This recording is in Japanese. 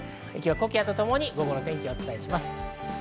コキアとともに午後の天気をお伝えします。